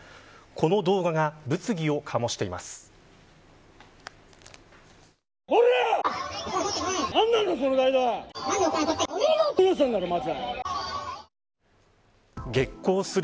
この動画が物議を醸しています。